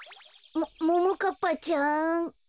もももかっぱちゃん？